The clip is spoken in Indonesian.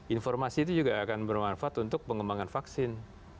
informasi itu juga akan bermanfaat untuk pengembangan vaksin